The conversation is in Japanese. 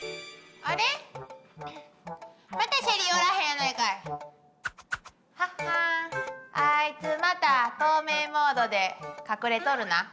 あいつまた透明モードで隠れとるな。